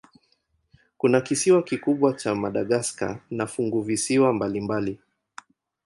Kuna kisiwa kikubwa cha Madagaska na funguvisiwa mbalimbali.